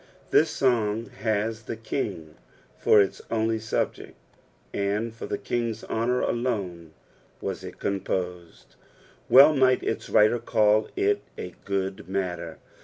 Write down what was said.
This song has "the King" for its only subject, and for the Eiug's honour alone was it composied, well might • Its writer call it a good matter.